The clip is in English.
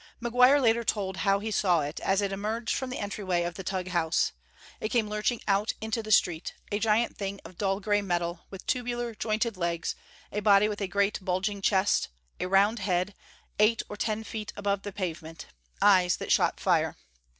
McGuire later told how he saw it as it emerged from the entryway of the Tugh house. It came lurching out into the street a giant thing of dull grey metal, with tubular, jointed legs; a body with a great bulging chest; a round head, eight or ten feet above the pavement; eyes that shot fire.